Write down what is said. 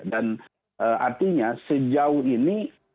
dan artinya sejauh ini